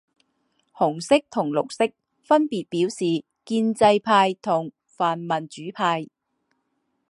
红色及绿色分别表示建制派及泛民主派。